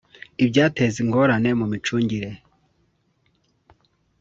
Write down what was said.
ibyateza ingorane mu micungire